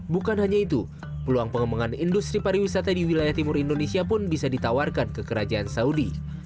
bukan hanya itu peluang pengembangan industri pariwisata di wilayah timur indonesia pun bisa ditawarkan ke kerajaan saudi